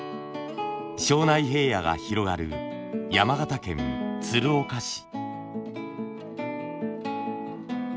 庄内平野が広がる山形県鶴岡市。